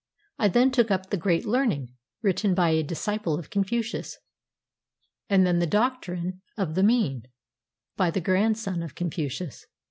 I then took up the "Great Learning," written by a disciple of Confucius, and then the "Doctrine of the Mean," by the grandson of Confucius.